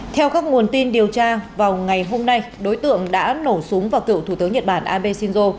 theo các nguồn tin điều tra vào ngày hôm nay đối tượng đã nổ súng vào cựu thủ tướng nhật bản abe shinzo